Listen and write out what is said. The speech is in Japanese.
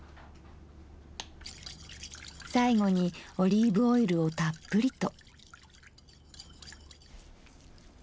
最後にオリーブオイルをたっぷりと。